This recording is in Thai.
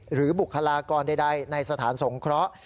บุคลากรใดในสถานสงเคราะห์